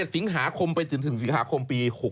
สิงหาคมไปจนถึงสิงหาคมปี๖๖